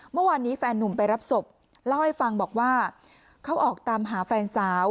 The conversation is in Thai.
เมื่อวานนี้แฟนนุ่มไปรับศพเล่าให้ฟังบอกว่าเขาออกตามหาแฟนสาว